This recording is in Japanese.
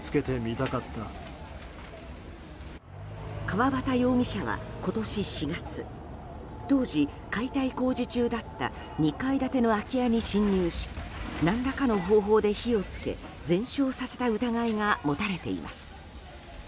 川端容疑者は今年４月当時、解体工事中だった２階建ての空き家に侵入し何らかの方法で火を付け全焼させた疑いが持たれています。